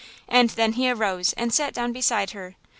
and then he arose and sat down beside her.